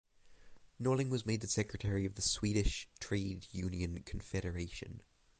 Norling was made the secretary of the Swedish Trade Union Confederation.